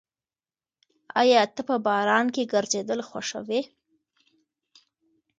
ایا ته په باران کې ګرځېدل خوښوې؟